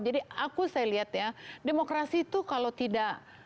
jadi aku saya lihat ya demokrasi itu kalau tidak